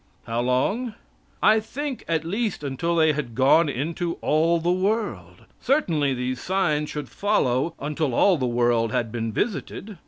How long? I think at least until they had gone into all the world. Certainly these signs should follow until all the world had been visited.